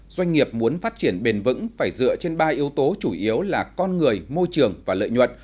doanh nghiệp muốn phát triển bền vững phải dựa trên ba yếu tố chủ yếu là con người môi trường và lợi nhuận